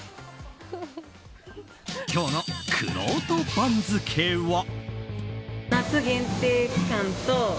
今日のくろうと番付は。